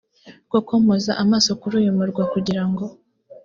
kuko mpoza amaso kuri uyu murwa kugira ngo